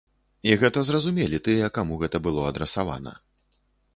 І гэта зразумелі тыя, каму гэта было адрасавана.